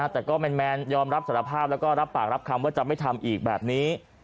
แต่ก็แมนยอมรับสารภาพแล้วก็รับปากรับคำว่าจะไม่ทำอีกแบบนี้